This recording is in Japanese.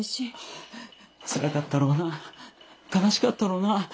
つらかったろうな悲しかったろうな。